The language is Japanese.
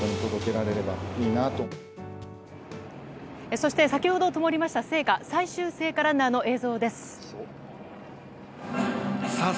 そして先ほどともりました聖火最終聖火ランナーの映像です。